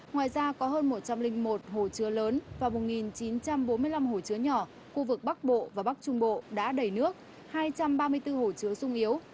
ngoài ra có hơn một trăm linh một hồ chứa lớn và một chín trăm bốn mươi năm hồ chứa nhỏ khu vực bắc bộ và bắc trung bộ đã đầy nước hai trăm ba mươi bốn hồ chứa sung yếu